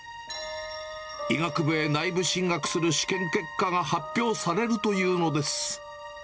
医学部へ内部進学する試験結果が発表されるというのです。